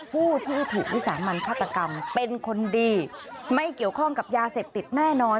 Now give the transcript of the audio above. ผู้ที่ถูกวิสามันฆาตกรรมเป็นคนดีไม่เกี่ยวข้องกับยาเสพติดแน่นอน